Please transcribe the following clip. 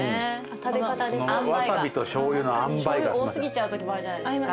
多過ぎちゃうときもあるじゃないですか。